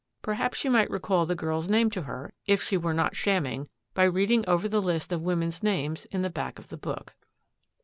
Perhaps she might recall the girl's name to her, if she were not shamming, by reading over the list of women's names in the back of the book.